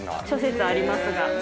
諸説ありますが。